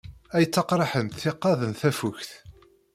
Ay ttaqraḥent tiqqad n tafukt!